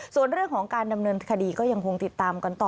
ส่วนเรื่องของการดำเนินคดีก็ยังคงติดตามกันต่อ